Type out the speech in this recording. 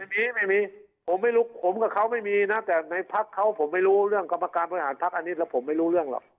ไม่มีไม่มีผมไม่รู้ผมกับเขาไม่มีนะแต่ในพักเขาผมไม่รู้เรื่องกรรมการบริหารพักอันนี้แล้วผมไม่รู้เรื่องหรอก